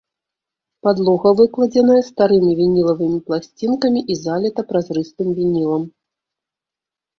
Падлога выкладзеная старымі вінілавымі пласцінкамі і заліта празрыстым вінілам.